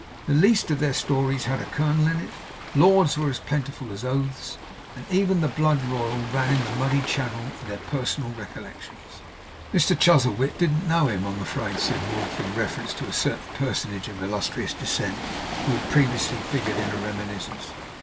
The least of their stories had a colonel in it; lords were as plentiful as oaths; and even the Blood Royal ran in the muddy channel of their personal recollections. 'Mr Chuzzlewit didn't know him, I'm afraid,' said Wolf, in reference to a certain personage of illustrious descent, who had previously figured in a reminiscence.